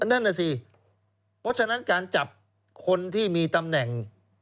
นั่นน่ะสิเพราะฉะนั้นการจับคนที่มีตำแหน่ง